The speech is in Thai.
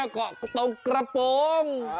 ก็ตรงกระโปรง